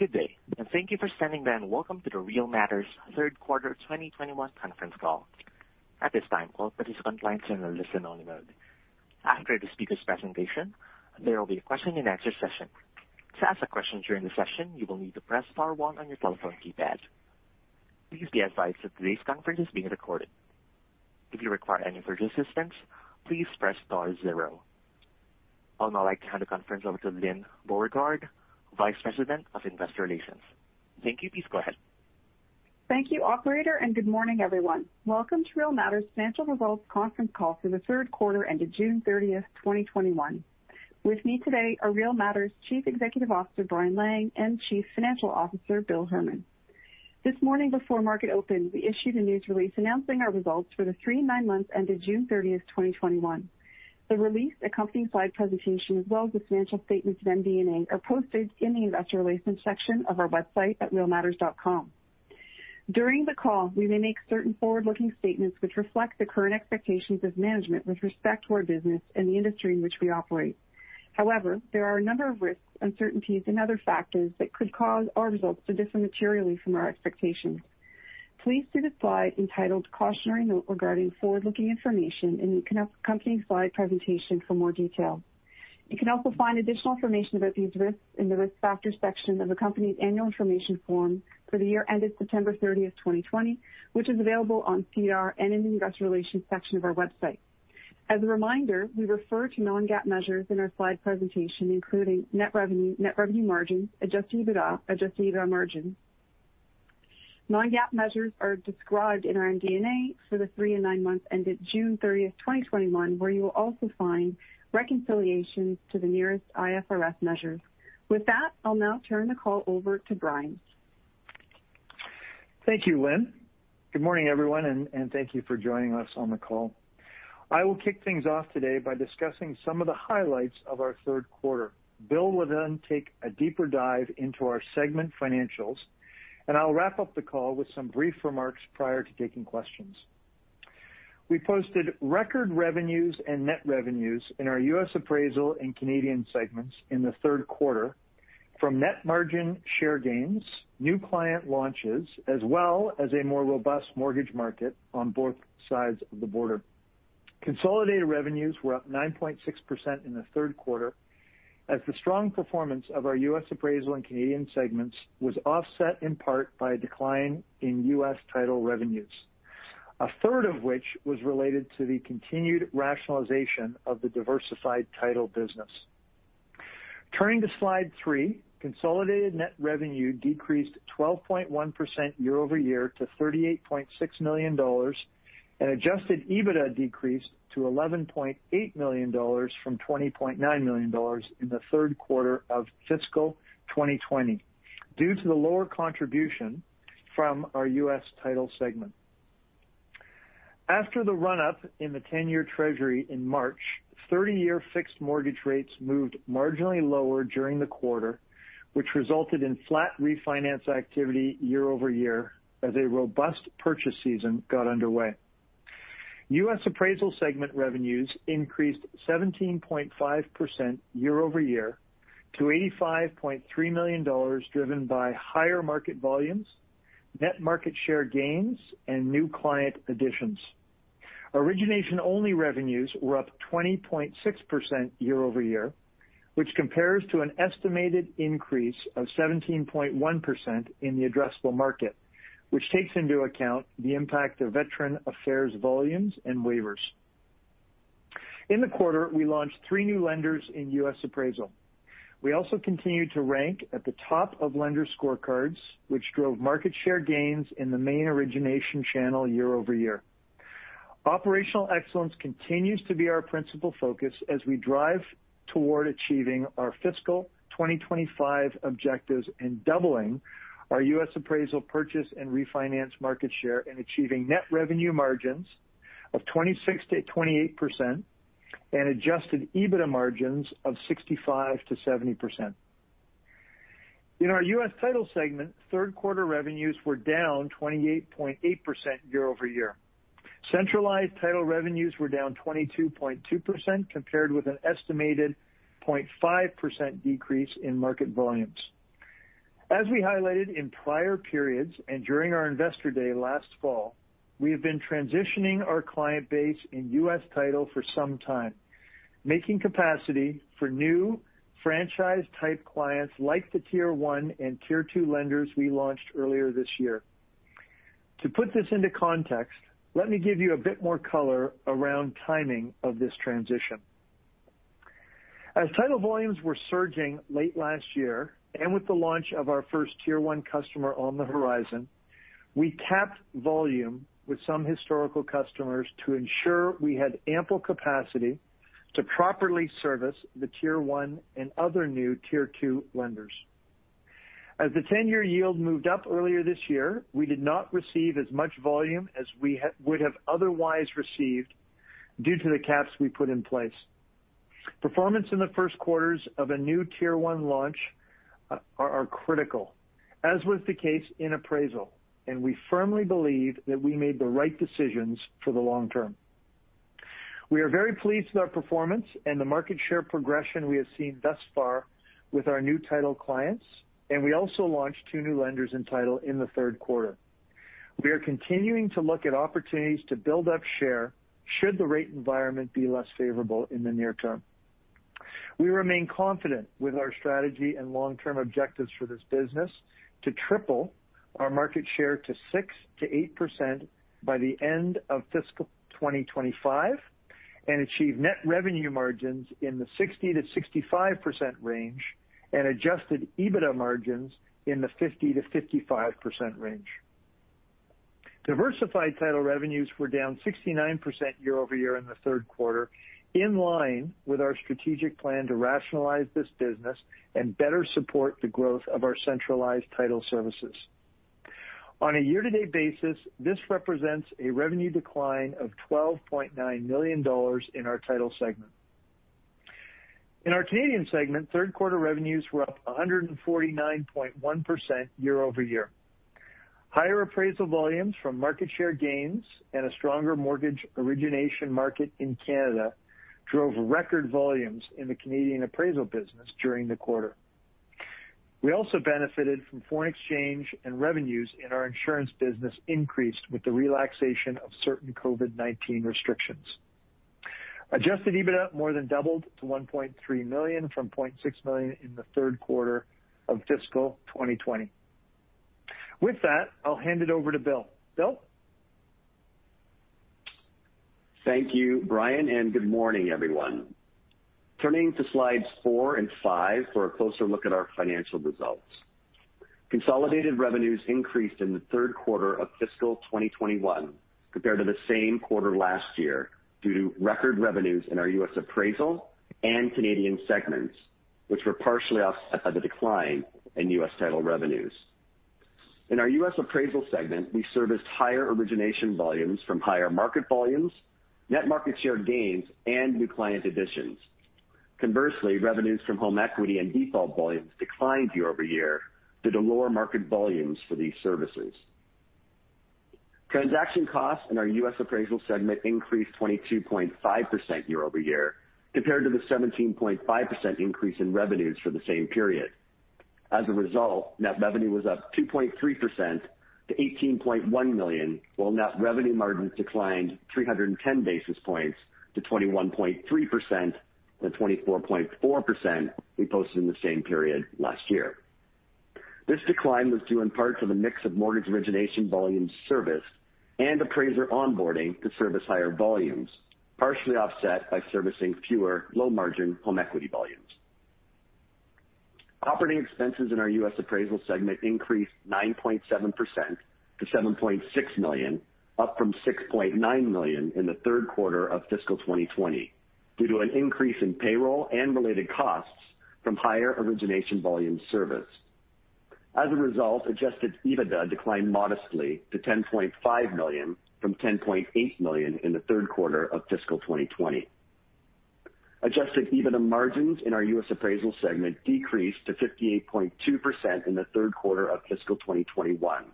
Good day, and thank you for standing by and welcome to the Real Matters third quarter 2021 conference call. I would now like to hand the conference over to Lyne Beauregard, Vice President of Investor Relations. Thank you. Please go ahead. Thank you, operator, and good morning, everyone. Welcome to Real Matters Financial Results conference call for the third quarter ended June 30, 2021. With me today are Real Matters Chief Executive Officer, Brian Lang, and Chief Financial Officer, Bill Herman. This morning before market opened, we issued a news release announcing our results for the three and nine months ended June 30, 2021. The release, accompanying slide presentation, as well as the financial statements and MD&A are posted in the investor relations section of our website at realmatters.com. During the call, we may make certain forward-looking statements which reflect the current expectations of management with respect to our business and the industry in which we operate. There are a number of risks, uncertainties and other factors that could cause our results to differ materially from our expectations. Please see the slide entitled Cautionary Note regarding forward-looking information in the accompanying slide presentation for more detail. You can also find additional information about these risks in the Risk Factors section of the company's Annual Information Form for the year ended September 30, 2020, which is available on SEDAR and in the investor relations section of our website. As a reminder, we refer to non-GAAP measures in our slide presentation, including net revenue, net revenue margin, adjusted EBITDA, adjusted EBITDA margin. Non-GAAP measures are described in our MD&A for the three and nine months ended June 30, 2021, where you will also find reconciliations to the nearest IFRS measures. With that, I'll now turn the call over to Brian. Thank you, Lyne. Good morning, everyone, and thank you for joining us on the call. I will kick things off today by discussing some of the highlights of our third quarter. Bill will then take a deeper dive into our segment financials, and I'll wrap up the call with some brief remarks prior to taking questions. We posted record revenues and net revenues in our U.S. Appraisal and Canadian segments in the third quarter from net margin share gains, new client launches, as well as a more robust mortgage market on both sides of the border. Consolidated revenues were up 9.6% in the third quarter as the strong performance of our U.S. Appraisal and Canadian segments was offset in part by a decline in U.S. Title revenues, a third of which was related to the continued rationalization of the Diversified Title business. Turning to slide three, consolidated net revenue decreased 12.1% year-over-year to $38.6 million and adjusted EBITDA decreased to $11.8 million from $20.9 million in the third quarter of fiscal 2020 due to the lower contribution from our U.S. Title segment. After the run-up in the 10-year Treasury in March, 30-year fixed mortgage rates moved marginally lower during the quarter, which resulted in flat refinance activity year-over-year as a robust purchase season got underway. U.S. Appraisal segment revenues increased 17.5% year-over-year to $85.3 million, driven by higher market volumes, net market share gains and new client additions. Origination-only revenues were up 20.6% year-over-year, which compares to an estimated increase of 17.1% in the addressable market, which takes into account the impact of Department of Veterans Affairs volumes and waivers. In the quarter, we launched three new lenders in U.S. Appraisal. We also continued to rank at the top of lender scorecards, which drove market share gains in the main origination channel year-over-year. Operational excellence continues to be our principal focus as we drive toward achieving our fiscal 2025 objectives and doubling our U.S. Appraisal purchase and refinance market share and achieving net revenue margins of 26%-28% and adjusted EBITDA margins of 65%-70%. In our U.S. Title segment, third quarter revenues were down 28.8% year-over-year. Centralized Title revenues were down 22.2% compared with an estimated 0.5% decrease in market volumes. As we highlighted in prior periods and during our Investor Day last fall, we have been transitioning our client base in U.S. Title for some time, making capacity for new franchise-type clients like the tier one and tier two lenders we launched earlier this year. To put this into context, let me give you a bit more color around timing of this transition. As title volumes were surging late last year, and with the launch of our first tier one customer on the horizon, we capped volume with some historical customers to ensure we had ample capacity to properly service the tier one and other new tier two lenders. As the 10-year yield moved up earlier this year, we did not receive as much volume as we would have otherwise received due to the caps we put in place. Performance in the first quarters of a new tier one launch are critical, as was the case in U.S. Appraisal, and we firmly believe that we made the right decisions for the long term. We are very pleased with our performance and the market share progression we have seen thus far with our new U.S. Title clients, and we also launched two new lenders in U.S. Title in the third quarter. We are continuing to look at opportunities to build up share should the rate environment be less favorable in the near term. We remain confident with our strategy and long-term objectives for this business to triple our market share to 6%-8% by the end of fiscal 2025 and achieve net revenue margins in the 60%-65% range and adjusted EBITDA margins in the 50%-55% range. Diversified Title revenues were down 69% year-over-year in the third quarter, in line with our strategic plan to rationalize this business and better support the growth of our Centralized Title services. On a year-to-date basis, this represents a revenue decline of $12.9 million in our title segment. In our Canadian segment, third quarter revenues were up 149.1% year-over-year. Higher appraisal volumes from market share gains and a stronger mortgage origination market in Canada drove record volumes in the Canadian Appraisal business during the quarter. We also benefited from foreign exchange. Revenues in our insurance business increased with the relaxation of certain COVID-19 restrictions. Adjusted EBITDA more than doubled to $1.3 million from $0.6 million in the third quarter of fiscal 2020. With that, I'll hand it over to Bill. Bill? Thank you, Brian, and good morning, everyone. Turning to slides four and five for a closer look at our financial results. Consolidated revenues increased in the third quarter of fiscal 2021 compared to the same quarter last year due to record revenues in our U.S. Appraisal and Canadian segments, which were partially offset by the decline in U.S. Title revenues. In our U.S. Appraisal segment, we serviced higher origination volumes from higher market volumes, net market share gains, and new client additions. Conversely, revenues from home equity and default volumes declined year-over-year due to lower market volumes for these services. Transaction costs in our U.S. Appraisal segment increased 22.5% year-over-year compared to the 17.5% increase in revenues for the same period. As a result, net revenue was up 2.3% to $18.1 million, while net revenue margins declined 310 basis points to 21.3% than 24.4% we posted in the same period last year. This decline was due in part to the mix of mortgage origination volumes serviced and appraiser onboarding to service higher volumes, partially offset by servicing fewer low-margin home equity volumes. Operating expenses in our U.S. Appraisal segment increased 9.7% to $7.6 million, up from $6.9 million in the third quarter of fiscal 2020 due to an increase in payroll and related costs from higher origination volume serviced. As a result, adjusted EBITDA declined modestly to $10.5 million from $10.8 million in the third quarter of fiscal 2020. Adjusted EBITDA margins in our U.S. Appraisal segment decreased to 58.2% in the third quarter of fiscal 2021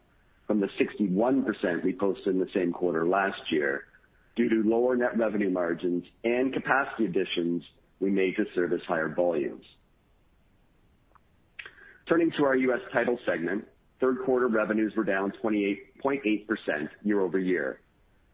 from the 61% we posted in the same quarter last year due to lower net revenue margins and capacity additions we made to service higher volumes. Turning to our U.S. Title segment, third quarter revenues were down 28.8% year-over-year.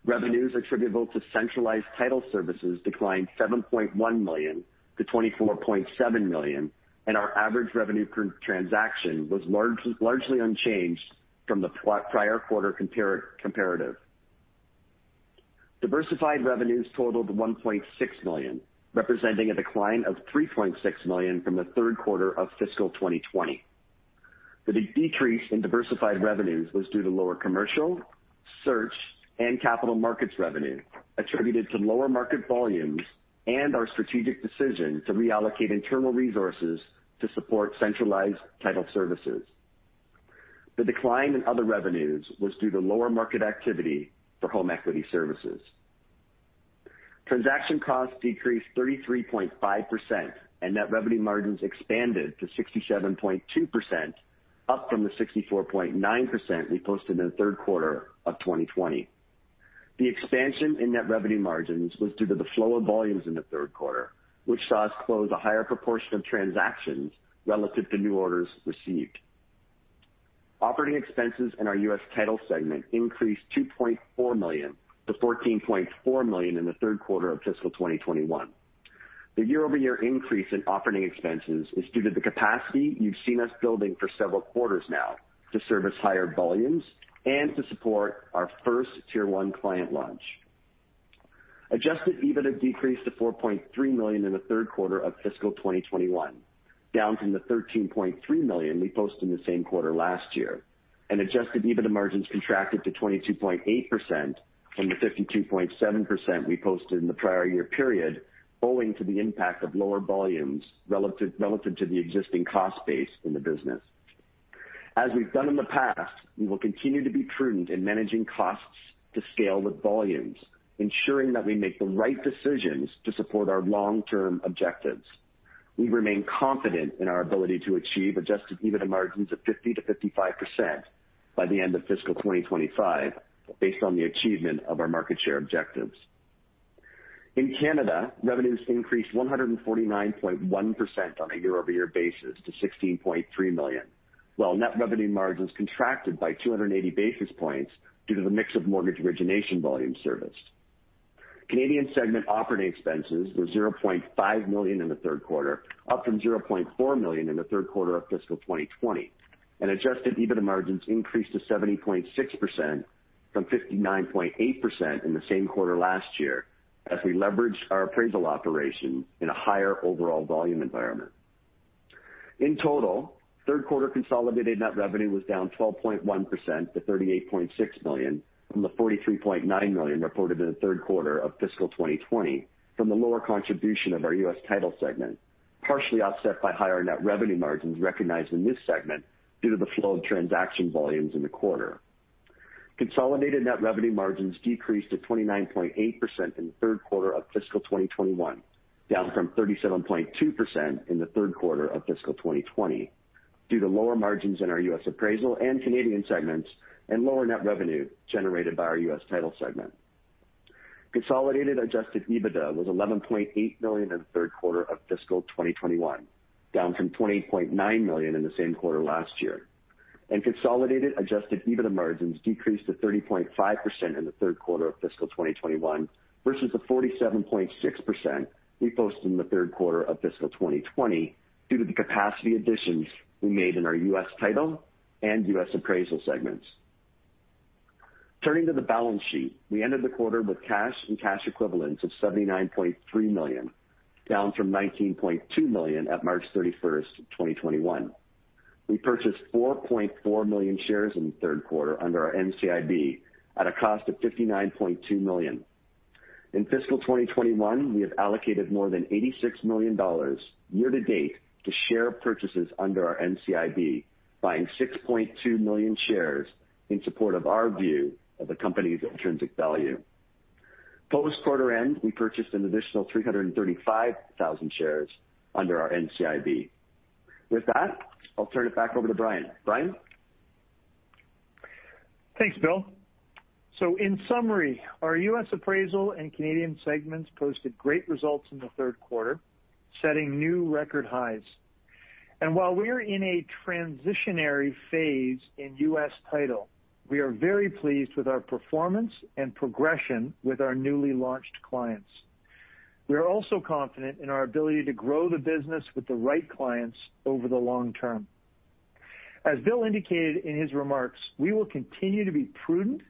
Revenues attributable to Centralized Title services declined $7.1 million to $24.7 million, and our average revenue per transaction was largely unchanged from the prior quarter comparative. Diversified revenues totaled $1.6 million, representing a decline of $3.6 million from the third quarter of fiscal 2020. The decrease in diversified revenues was due to lower Commercial, Search, and Capital Markets revenue attributed to lower market volumes and our strategic decision to reallocate internal resources to support Centralized Title services. The decline in other revenues was due to lower market activity for home equity services. Transaction costs decreased 33.5% and net revenue margins expanded to 67.2%, up from the 64.9% we posted in the third quarter of 2020. The expansion in net revenue margins was due to the flow of volumes in the third quarter, which saw us close a higher proportion of transactions relative to new orders received. Operating expenses in our U.S. Title segment increased $2.4 million to $14.4 million in the third quarter of fiscal 2021. The year-over-year increase in operating expenses is due to the capacity you've seen us building for several quarters now to service higher volumes and to support our first tier one client launch. Adjusted EBITDA decreased to $4.3 million in the third quarter of fiscal 2021, down from the $13.3 million we posted in the same quarter last year. Adjusted EBITDA margins contracted to 22.8% from the 52.7% we posted in the prior year period owing to the impact of lower volumes relative to the existing cost base in the business. As we've done in the past, we will continue to be prudent in managing costs to scale with volumes, ensuring that we make the right decisions to support our long-term objectives. We remain confident in our ability to achieve adjusted EBITDA margins of 50%-55% by the end of fiscal 2025 based on the achievement of our market share objectives. In Canada, revenues increased 149.1% on a year-over-year basis to $16.3 million, while net revenue margins contracted by 280 basis points due to the mix of mortgage origination volume serviced. Canadian segment operating expenses were $0.5 million in the third quarter, up from $0.4 million in the third quarter of fiscal 2020. Adjusted EBITDA margins increased to 70.6% from 59.8% in the same quarter last year as we leveraged our appraisal operation in a higher overall volume environment. In total, third quarter consolidated net revenue was down 12.1% to $38.6 million from the $43.9 million reported in the third quarter of fiscal 2020 from the lower contribution of our U.S. Title segment, partially offset by higher net revenue margins recognized in this segment due to the flow of transaction volumes in the quarter. Consolidated net revenue margins decreased to 29.8% in the third quarter of fiscal 2021, down from 37.2% in the third quarter of fiscal 2020 due to lower margins in our U.S. Appraisal and Canadian segments and lower net revenue generated by our U.S. Title segment. Consolidated adjusted EBITDA was $11.8 million in the third quarter of fiscal 2021, down from $ 20.9 million in the same quarter last year. Consolidated adjusted EBITDA margins decreased to 30.5% in the third quarter of fiscal 2021 versus the 47.6% we posted in the third quarter of fiscal 2020 due to the capacity additions we made in our U.S. Title and U.S. Appraisal segments. Turning to the balance sheet, we ended the quarter with cash and cash equivalents of $79.3 million, down from $19.2 million at March 31, 2021. We purchased 4.4 million shares in the third quarter under our NCIB at a cost of $59.2 million. In fiscal 2021, we have allocated more than $86 million year-to-date to share purchases under our NCIB, buying 6.2 million shares in support of our view of the company's intrinsic value. Post quarter end, we purchased an additional 335,000 shares under our NCIB. With that, I'll turn it back over to Brian. Brian? Thanks, Bill. In summary, our U.S. Appraisal and Canadian segments posted great results in the third quarter, setting new record highs. While we are in a transitionary phase in U.S. Title, we are very pleased with our performance and progression with our newly launched clients. We are also confident in our ability to grow the business with the right clients over the long term. As Bill indicated in his remarks, we will continue to be prudent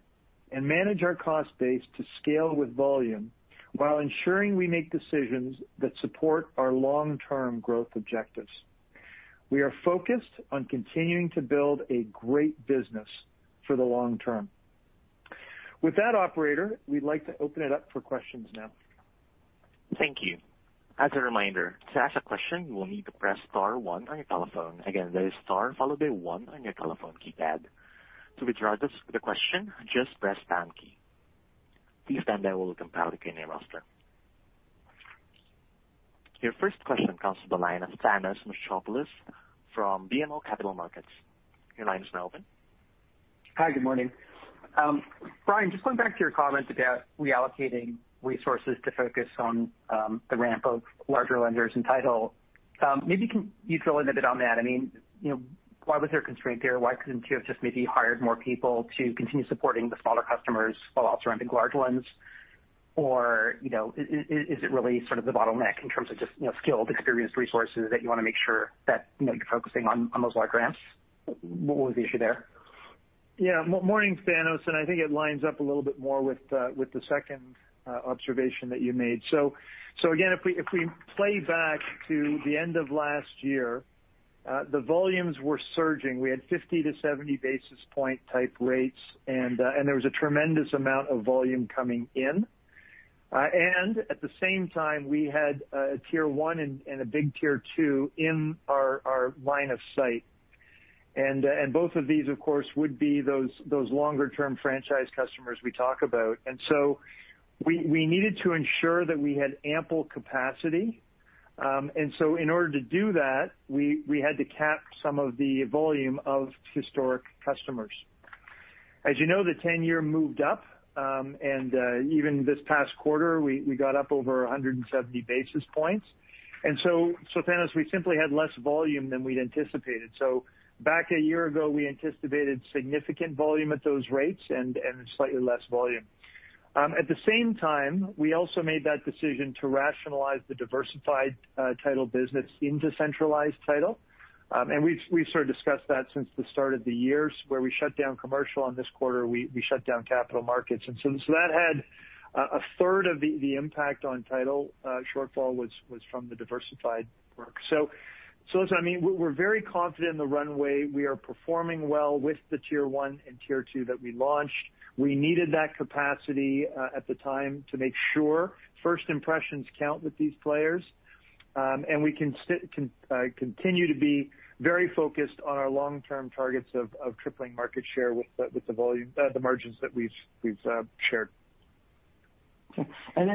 and manage our cost base to scale with volume while ensuring we make decisions that support our long-term growth objectives. We are focused on continuing to build a great business for the long term. With that, operator, we'd like to open it up for questions now. Thank you. Your first question comes from the line of Thanos Moschopoulos from BMO Capital Markets. Your line is now open. Hi, good morning. Brian, just going back to your comment about reallocating resources to focus on the ramp of larger lenders in Title, maybe can you drill in a bit on that? I mean, you know, why was there a constraint there? Why couldn't you have just maybe hired more people to continue supporting the smaller customers while also ramping large ones? Or, you know, is it really sort of the bottleneck in terms of just, you know, skilled, experienced resources that you wanna make sure that, you know, you're focusing on those large ramps? What was the issue there? Yeah. Morning, Thanos. I think it lines up a little bit more with the second observation that you made. Again, if we play back to the end of last year, the volumes were surging. We had 50 to 70 basis point type rates, and there was a tremendous amount of volume coming in. At the same time, we had a tier one and a big tier two in our line of sight. Both of these, of course, would be those longer term franchise customers we talk about. We needed to ensure that we had ample capacity. In order to do that, we had to cap some of the volume of historic customers. As you know, the 10-year moved up, even this past quarter, we got up over 170 basis points. Thanos, we simply had less volume than we'd anticipated. Back a year ago, we anticipated significant volume at those rates and slightly less volume. At the same time, we also made that decision to rationalize the Diversified Title business into Centralized Title. We've sort of discussed that since the start of the year where we shut down Commercial on this quarter, we shut down Capital Markets. That had 1/3 of the impact on Title shortfall was from the diversified work. Listen, I mean, we're very confident in the runway. We are performing well with the tier one and tier two that we launched. We needed that capacity at the time to make sure first impressions count with these players. We can continue to be very focused on our long-term targets of tripling market share with the volume, the margins that we've shared. Okay.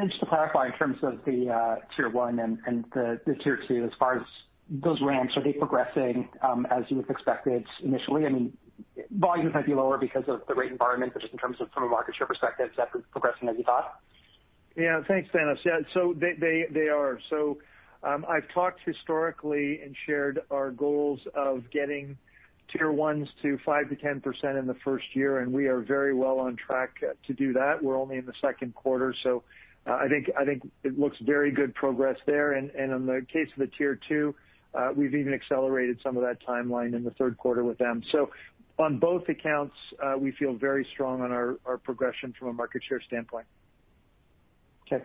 Just to clarify in terms of the tier one and the tier two, as far as those ramps, are they progressing as you would've expected initially? I mean, volumes might be lower because of the rate environment, just in terms of from a market share perspective, is that progressing as you thought? Yeah. Thanks, Thanos. Yeah, they are. I've talked historically and shared our goals of getting tier ones to 5%-10% in the first year, and we are very well on track to do that. We're only in the second quarter, it looks very good progress there. In the case of the tier two, we've even accelerated some of that timeline in the third quarter with them. On both accounts, we feel very strong on our progression from a market share standpoint. Okay.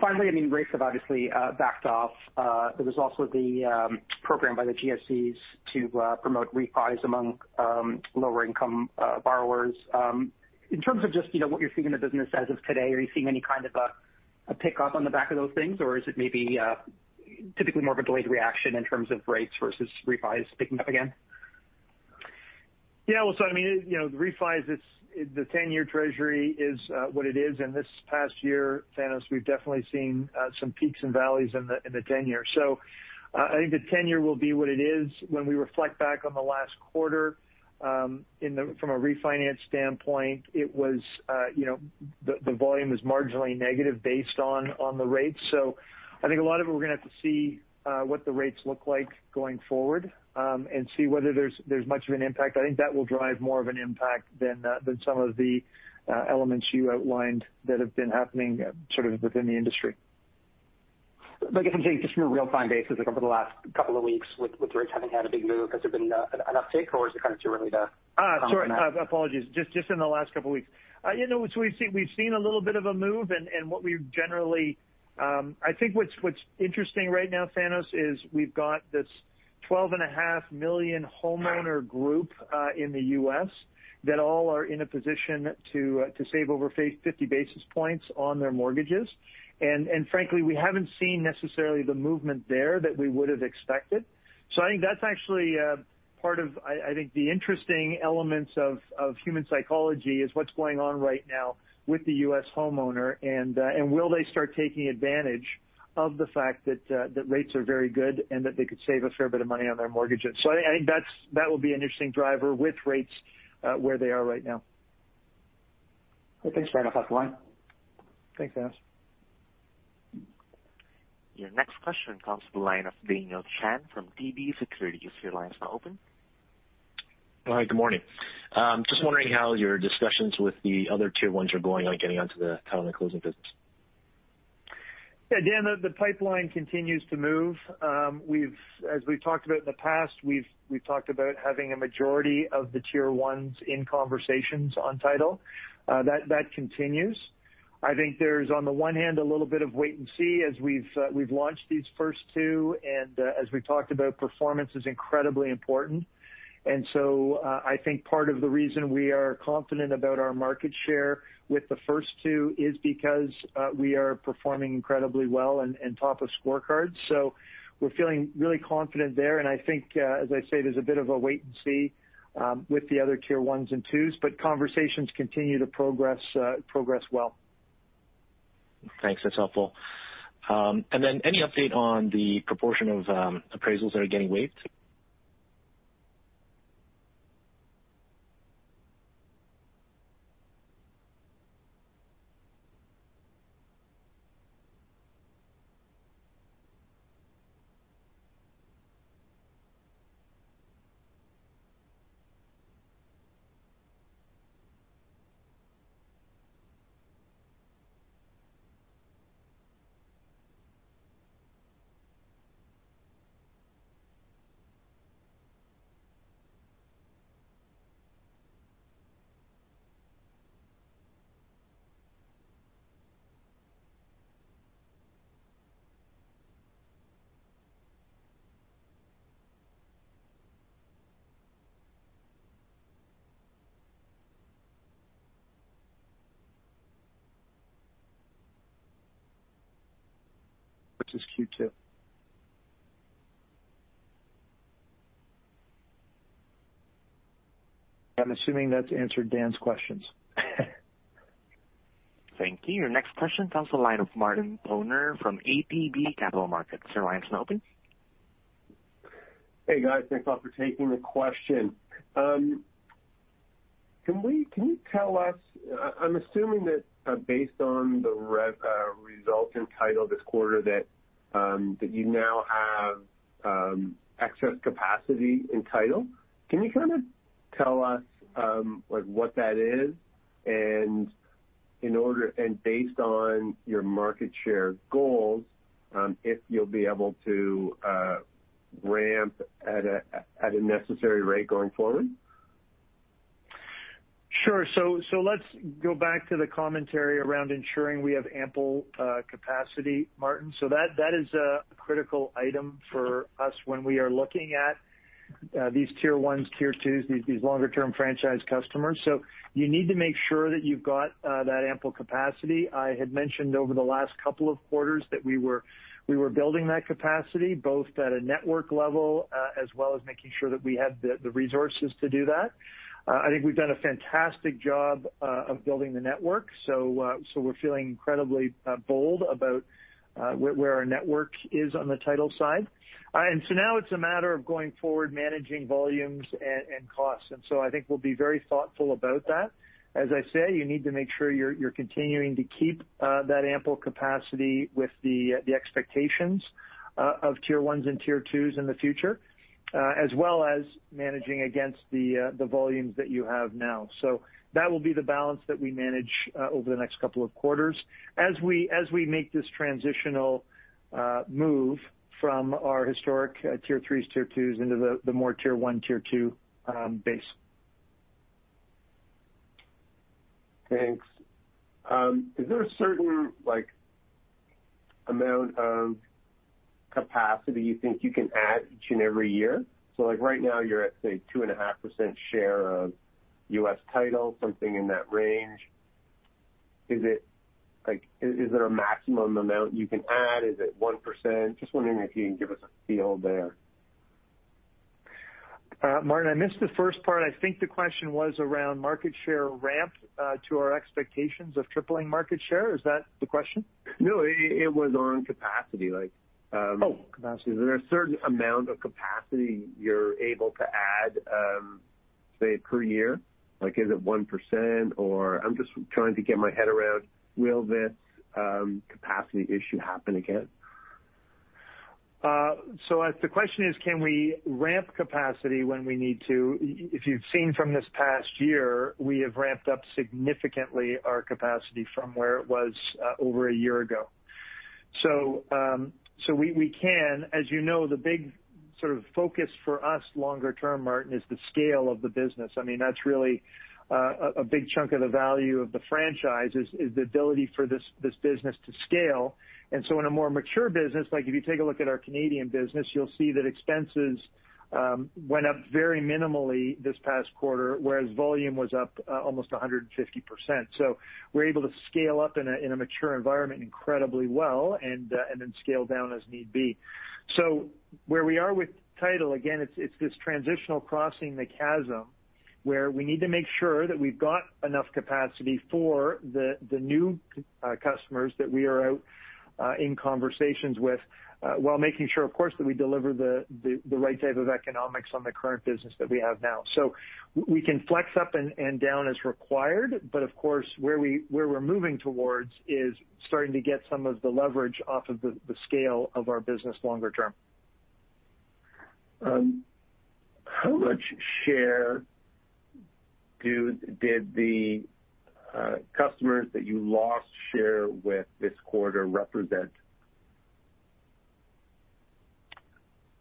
Finally, I mean, rates have obviously backed off. There was also the program by the GSEs to promote refis among lower income borrowers. In terms of just, you know, what you're seeing in the business as of today, are you seeing any kind of a pickup on the back of those things? Or is it maybe typically more of a delayed reaction in terms of rates versus refis picking up again? Yeah. Well, so I mean, it you know, the refis, it's the 10-year Treasury is what it is. This past year, Thanos, we've definitely seen some peaks and valleys in the 10-year. I think the 10-year will be what it is. When we reflect back on the last quarter, from a refinance standpoint, it was, you know, the volume was marginally negative based on the rates. I think a lot of it we're gonna have to see what the rates look like going forward, and see whether there's much of an impact. I think that will drive more of an impact than some of the elements you outlined that have been happening sort of within the industry. I guess I'm saying just from a real-time basis, like over the last couple of weeks with rates having had a big move, has there been an uptick? Sorry. Comment on that? Apologies. Just in the last couple weeks. You know, we've seen a little bit of a move and what we've generally, I think what's interesting right now, Thanos, is we've got this 12.5 million homeowner group in the U.S. that all are in a position to save over 50 basis points on their mortgages. Frankly, we haven't seen necessarily the movement there that we would've expected. I think that's actually part of, I think the interesting elements of human psychology is what's going on right now with the U.S. homeowner and will they start taking advantage of the fact that rates are very good and that they could save a fair bit of money on their mortgages. I think that will be an interesting driver with rates where they are right now. Well, thanks, Brian. I'll pass the line. Thanks, Thanos. Your next question comes from the line of Daniel Chan from TD Securities. Your line is now open. Hi, good morning. Just wondering how your discussions with the other tier ones are going on getting onto the Title and closing business. Yeah, Dan, the pipeline continues to move. As we've talked about in the past, we've talked about having a majority of the tier ones in conversations on title. That continues. I think there's, on the one hand, a little bit of wait and see as we've launched these first two. As we've talked about, performance is incredibly important. I think part of the reason we are confident about our market share with the first two is because we are performing incredibly well and top of scorecards. We're feeling really confident there. I think, as I say, there's a bit of a wait and see with the other tier ones and twos, but conversations continue to progress well. Thanks. That's helpful. Any update on the proportion of appraisals that are getting waived? Which is Q2. I'm assuming that's answered Dan's questions. Thank you. Your next question comes to the line of Martin Toner from ATB Capital Markets. Your line is now open. Hey, guys. Thanks a lot for taking the question. Can you tell us, I'm assuming that based on the results in title this quarter that you now have excess capacity in title. Can you kind of tell us like what that is and based on your market share goals, if you'll be able to ramp at a necessary rate going forward? Sure. Let's go back to the commentary around ensuring we have ample capacity, Martin. That is a critical item for us when we are looking at these tier ones, tier twos, these longer term franchise customers. You need to make sure that you've got that ample capacity. I had mentioned over the last couple of quarters that we were building that capacity, both at a network level, as well as making sure that we had the resources to do that. I think we've done a fantastic job of building the network. We're feeling incredibly bold about where our network is on the Title side. Now it's a matter of going forward managing volumes and costs. I think we'll be very thoughtful about that. As I say, you need to make sure you're continuing to keep that ample capacity with the expectations of tier ones and tier twos in the future, as well as managing against the volumes that you have now. That will be the balance that we manage over the next couple of quarters as we, as we make this transitional move from our historic tier threes, tier twos into the more tier one, tier two base. Thanks. Is there a certain, like, amount of capacity you think you can add each and every year? Like right now you're at, say, 2.5% share of U.S. Title, something in that range. Like, is there a maximum amount you can add? Is it 1%? Just wondering if you can give us a feel there. Martin, I missed the first part. I think the question was around market share ramp to our expectations of tripling market share. Is that the question? No, it was on capacity, like. Oh, capacity. Is there a certain amount of capacity you're able to add, say, per year? Like, is it 1%? Or I'm just trying to get my head around, will this capacity issue happen again? If the question is can we ramp capacity when we need to, if you've seen from this past year, we have ramped up significantly our capacity from where it was over a year ago. We can. As you know, the big sort of focus for us longer term, Martin, is the scale of the business. I mean, that's really a big chunk of the value of the franchise is the ability for this business to scale. In a more mature business, like if you take a look at our Canadian business, you'll see that expenses went up very minimally this past quarter, whereas volume was up almost 150%. We're able to scale up in a mature environment incredibly well and then scale down as need be. Where we are with U.S. Title, again, it's this transitional crossing the chasm, where we need to make sure that we've got enough capacity for the new customers that we are out in conversations with, while making sure, of course, that we deliver the right type of economics on the current business that we have now. We can flex up and down as required, but of course, where we're moving towards is starting to get some of the leverage off of the scale of our business longer term. How much share did the customers that you lost share with this quarter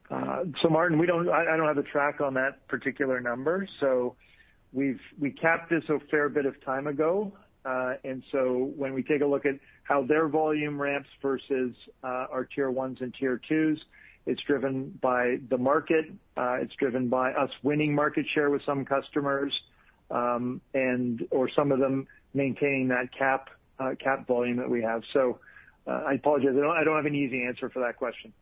represent? Martin, I don't have a track on that particular number. We capped this a fair bit of time ago. When we take a look at how their volume ramps versus our tier ones and tier twos, it's driven by the market. It's driven by us winning market share with some customers, and/or some of them maintaining that cap volume that we have. I apologize. I don't have an easy answer for that question.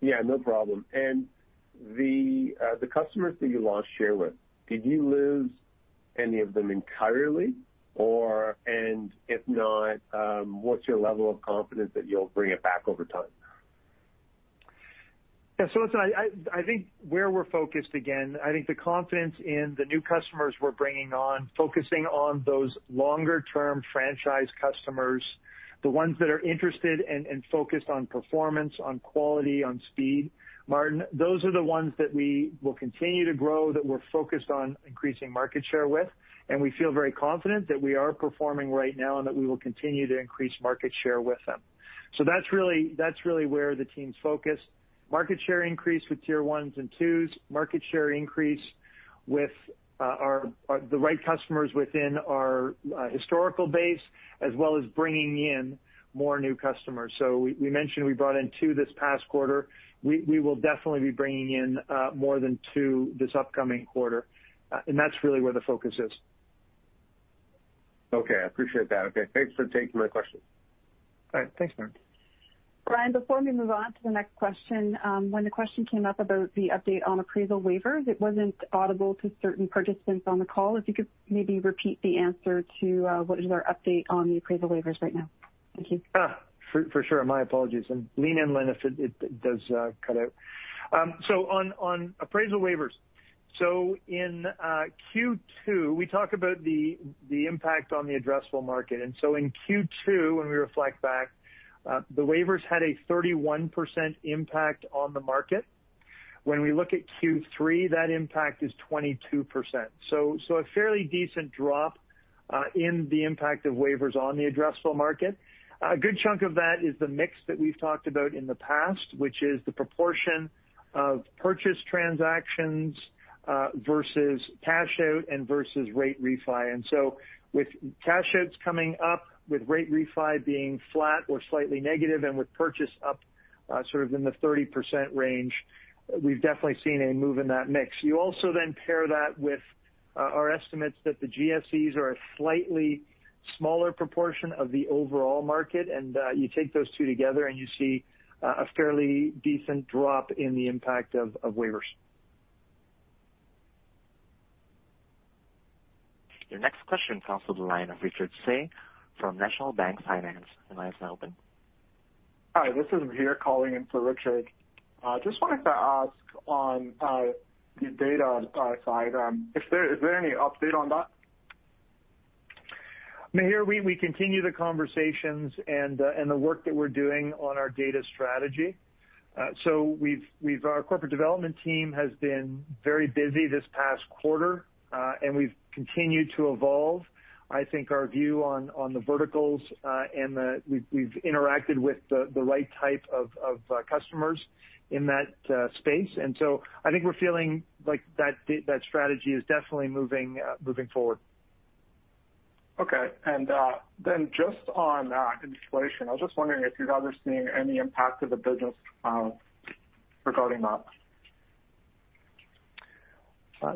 Yeah, no problem. The customers that you lost share with, did you lose any of them entirely? If not, what's your level of confidence that you'll bring it back over time? Yeah. Listen, I think where we're focused, again, I think the confidence in the new customers we're bringing on, focusing on those longer term franchise customers, the ones that are interested and focused on performance, on quality, on speed, Martin, those are the ones that we will continue to grow, that we're focused on increasing market share with, and we feel very confident that we are performing right now and that we will continue to increase market share with them. That's really where the team's focused. Market share increase with tier ones and twos, market share increase with the right customers within our historical base, as well as bringing in more new customers. We mentioned we brought in two this past quarter. We will definitely be bringing in more than two this upcoming quarter. That's really where the focus is. Okay. I appreciate that. Okay. Thanks for taking my questions. All right. Thanks, Martin. Brian, before we move on to the next question, when the question came up about the update on appraisal waivers, it wasn't audible to certain participants on the call. If you could maybe repeat the answer to, what is our update on the appraisal waivers right now? Thank you. For sure. Lean in, Lyne, if it does cut out. On appraisal waivers. In Q2, we talk about the impact on the addressable market. In Q2, when we reflect back, the waivers had a 31% impact on the market. When we look at Q3, that impact is 22%. A fairly decent drop in the impact of waivers on the addressable market. A good chunk of that is the mix that we've talked about in the past, which is the proportion of purchase transactions versus cash out and versus rate refi. With cash outs coming up, with rate refi being flat or slightly negative, and with purchase up, sort of in the 30% range. We've definitely seen a move in that mix. You also pair that with, our estimates that the GSEs are a slightly smaller proportion of the overall market, you take those two together and you see a fairly decent drop in the impact of waivers. Your next question comes to the line of Richard Tse from National Bank Financial. Your line is now open. Hi, this is Mihir calling in for Richard. Just wanted to ask on the data side, is there any update on that? Mihir, we continue the conversations and the work that we're doing on our data strategy. We've Our corporate development team has been very busy this past quarter, and we've continued to evolve, I think, our view on the verticals, and we've interacted with the right type of customers in that space. I think we're feeling like that strategy is definitely moving moving forward. Okay. Just on inflation, I was just wondering if you guys are seeing any impact to the business regarding that.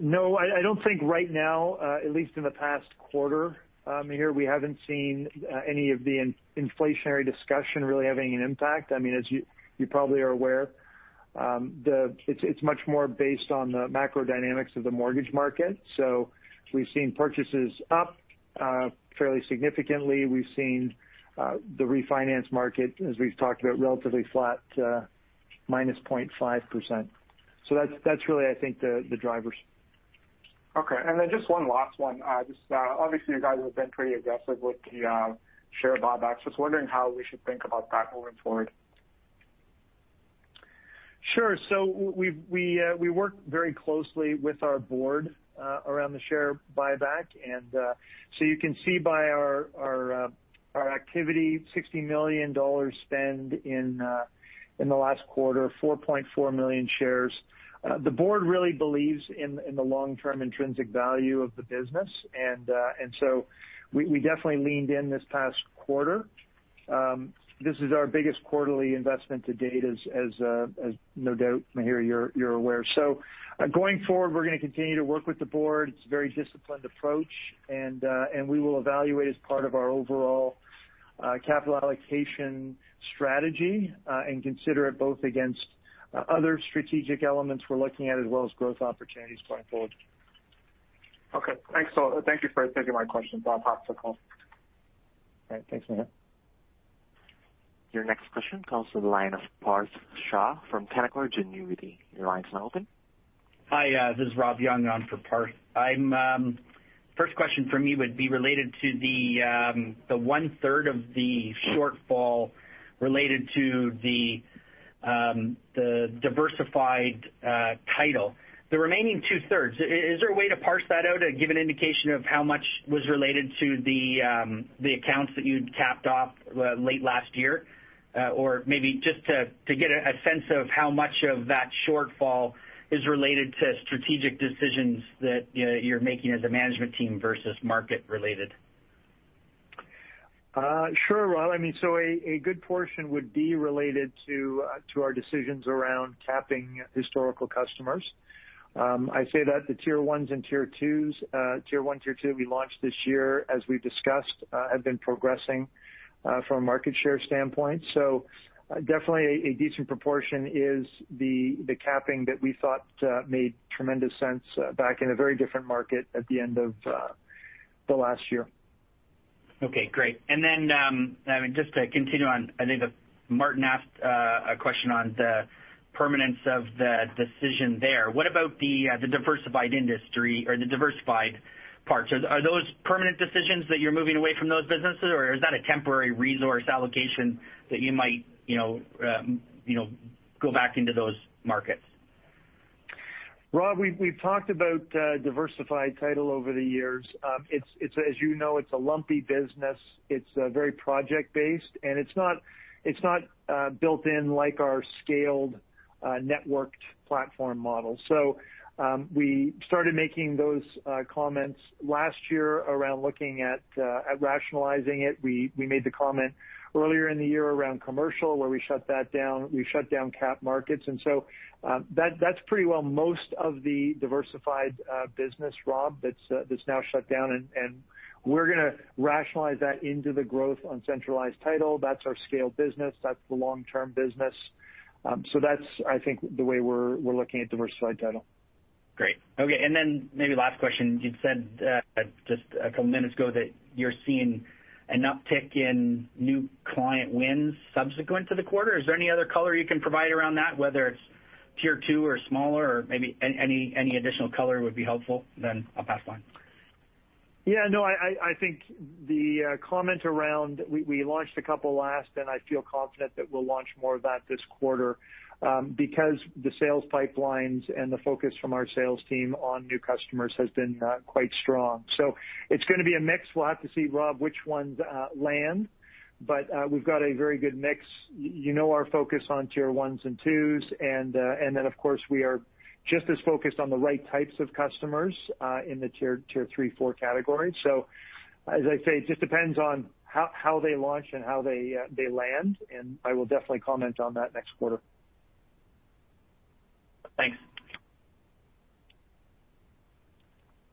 No, I don't think right now, at least in the past quarter, Mihir, we haven't seen any of the inflationary discussion really having an impact. I mean, as you probably are aware, It's much more based on the macro dynamics of the mortgage market. We've seen purchases up fairly significantly. We've seen the refinance market, as we've talked about, relatively flat, minus 0.5%. That's really I think the drivers. Okay. Just one last one. Obviously you guys have been pretty aggressive with the share buybacks. Just wondering how we should think about that moving forward. Sure. We work very closely with our board around the share buyback and you can see by our activity, $60 million spend in the last quarter, 4.4 million shares. The board really believes in the long-term intrinsic value of the business. We definitely leaned in this past quarter. This is our biggest quarterly investment to date as no doubt, Mihir, you're aware. Going forward, we're gonna continue to work with the board. It's a very disciplined approach and we will evaluate as part of our overall capital allocation strategy and consider it both against other strategic elements we're looking at as well as growth opportunities going forward. Okay. Thanks. Thank you for taking my questions. I'll pass the call. All right. Thanks, Mihir. Your next question comes to the line of Parth Shah from Canaccord Genuity. Your line is now open. Hi, this is Robert Young on for Parth. I'm. First question from me would be related to the 1/3 of the shortfall related to the Diversified Title. The remaining 2/3, is there a way to parse that out and give an indication of how much was related to the accounts that you'd capped off late last year? Maybe just to get a sense of how much of that shortfall is related to strategic decisions that you're making as a management team versus market related. Sure, Rob. I mean, a good portion would be related to our decisions around capping historical customers. I say that the tier ones and tier twos, tier one, tier two we launched this year, as we've discussed, have been progressing from a market share standpoint. Definitely a decent proportion is the capping that we thought made tremendous sense back in a very different market at the end of the last year. Okay, great. I mean, just to continue on, I think that Martin Toner asked a question on the permanence of the decision there. What about the diversified industry or the diversified parts? Are those permanent decisions that you're moving away from those businesses, or is that a temporary resource allocation that you might, you know, go back into those markets? Rob, we've talked about Diversified Title over the years. It's a, as you know, it's a lumpy business. It's very project-based, and it's not built in like our scaled networked platform model. We started making those comments last year around looking at at rationalizing it. We made the comment earlier in the year around Commercial where we shut that down. We shut down Cap Markets. That's pretty well most of the diversified business, Rob, that's now shut down. We're gonna rationalize that into the growth on Centralized Title. That's our scaled business. That's the long-term business. That's, I think, the way we're looking at Diversified Title. Great. Okay. Then maybe last question. You'd said just a couple minutes ago that you're seeing an uptick in new client wins subsequent to the quarter. Is there any other color you can provide around that, whether it's tier two or smaller or maybe any additional color would be helpful, then I'll pass the line. Yeah, no, I think the comment around we launched a couple last, and I feel confident that we'll launch more of that this quarter because the sales pipelines and the focus from our sales team on new customers has been quite strong. It's gonna be a mix. We'll have to see, Rob, which ones land, but we've got a very good mix. You know our focus on tier ones and twos and then of course we are just as focused on the right types of customers in the tier two, three, four category. As I say, it just depends on how they launch and how they land, and I will definitely comment on that next quarter. Thanks.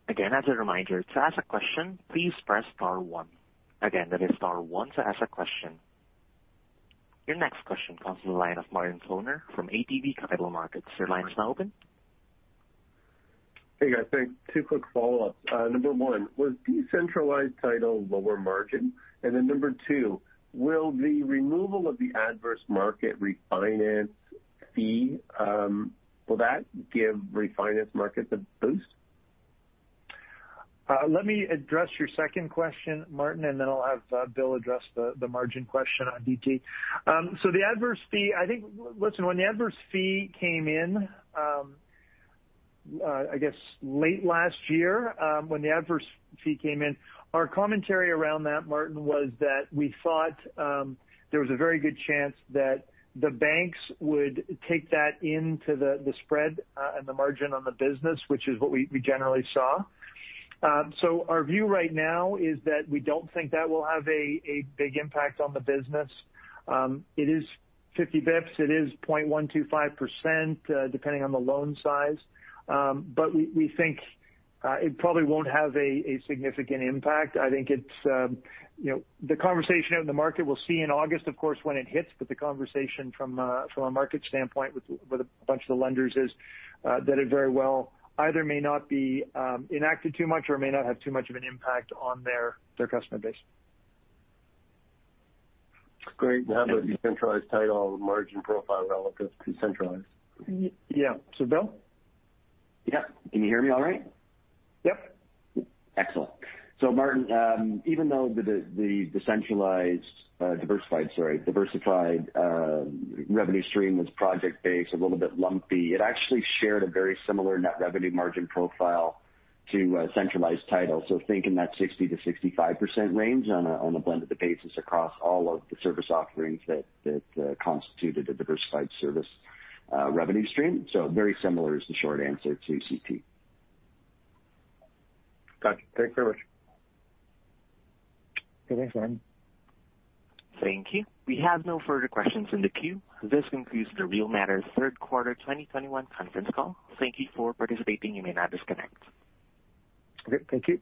Again, as a reminder, to ask a question, please press star one. Again, that is star one to ask a question. Your next question comes from the line of Martin Toner from ATB Capital Markets. Your line is now open. Hey, guys. Thanks. Two quick follow-ups. number one, was Decentralized Title lower margin? Number two, will the removal of the Adverse Market Refinance Fee, will that give refinance markets a boost? Let me address your second question, Martin, and then I'll have Bill address the margin question on DT. The adverse fee, Listen, when the adverse fee came in late last year, when the adverse fee came in, our commentary around that, Martin, was that we thought there was a very good chance that the banks would take that into the spread and the margin on the business, which is what we generally saw. Our view right now is that we don't think that will have a big impact on the business. It is 50 basis points. It is 0.125%, depending on the loan size. We think it probably won't have a significant impact. I think it's, you know, the conversation in the market, we'll see in August, of course, when it hits, but the conversation from a market standpoint with a bunch of the lenders is that it very well either may not be enacted too much or may not have too much of an impact on their customer base. Great. How about Decentralized Title margin profile relative to centralized? Yeah. Bill? Yeah. Can you hear me all right? Yep. Excellent. Martin, even though the diversified revenue stream was project-based, a little bit lumpy, it actually shared a very similar net revenue margin profile to Centralized Title. Think in that 60%-65% range on a blend of the basis across all of the service offerings that constituted a diversified service revenue stream. Very similar is the short answer to CT. Gotcha. Thanks very much. Okay. Thanks, Martin. Thank you. We have no further questions in the queue. This concludes the Real Matters third quarter 2021 conference call. Thank you for participating. You may now disconnect. Okay. Thank you.